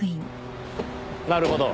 なるほど。